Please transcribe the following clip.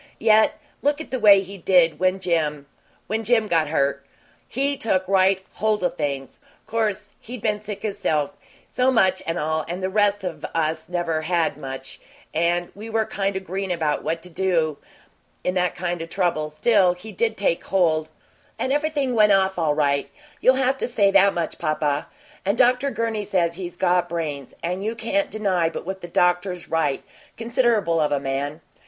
Yet, look at the way he did when Jim when Jim got hurt. He took right hold o' things. 'Course he'd been sick himself so much and all and the rest of us never had, much, and we were kind o' green about what to do in that kind o' trouble still, he did take hold, and everything went off all right; you'll have to say that much, papa. And Dr. Gurney says he's got brains, and you can't deny but what the doctor's right considerable of a man.